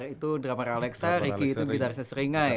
itu drama ralexa ricky itu gitarisnya seringai ya